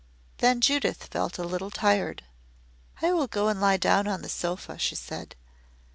Then Judith felt a little tired. "I will go and lie down on the sofa," she said.